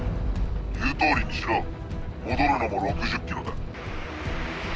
言う通りにしろ戻るのも６０キロだ。